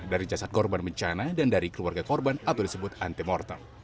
dari jasad korban bencana dan dari keluarga korban atau disebut antemortem